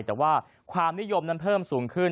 แต่ว่าความนิยมนั้นเพิ่มสูงขึ้น